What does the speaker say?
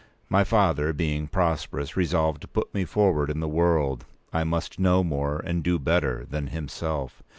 My father, being prosperous, resolved to put me forward in the world. I must know more, and do better, than himself.